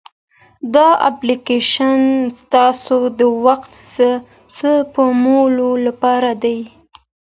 دا اپلیکیشن ستاسو د وخت سپمولو لپاره دی.